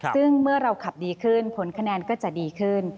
ซึ่งเมื่อเราขับดีขึ้นผลคะแนนก็จะดีขึ้น